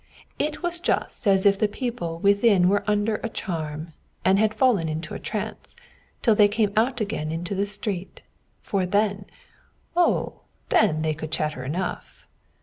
It was just as if the people within were under a charm, and had fallen into a trance till they came out again into the street; for then oh, then they could chatter enough.